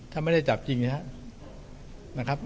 ถ้าไม่ได้จับจริงนะครับ